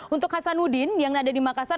untuk hasanuddin yang ada di makassar